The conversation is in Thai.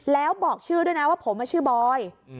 แล้วบอกชื่อด้วยนะว่าผมชื่อบอย